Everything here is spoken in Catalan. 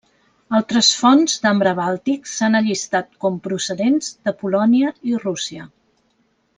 Altres fonts d'ambre bàltic s'han allistat com procedents de Polònia i Rússia.